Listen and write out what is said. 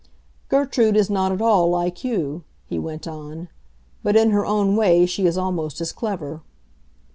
"Gertrude is not at all like you," he went on; "but in her own way she is almost as clever."